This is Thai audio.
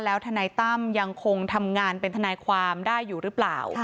แล้วทนายตั้มยังคงทำงานเป็นทนายความได้อยู่หรือเปล่า